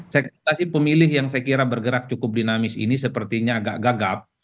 segmentasi pemilih yang saya kira bergerak cukup dinamis ini sepertinya agak gagap